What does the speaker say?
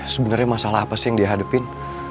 sebenernya masalah apa sih yang dia hadepin